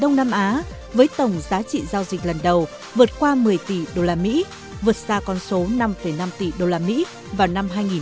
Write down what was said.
đông nam á được dự báo bình quân ba mươi bảy sáu mỗi năm giữa những năm khoảng một mươi ba năm tỷ usd